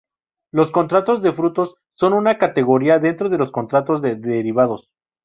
Los contratos de futuros son una categoría dentro de los contratos de derivados.